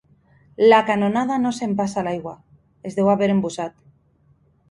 La canonada no s'empassa l'aigua: es deu haver embussat.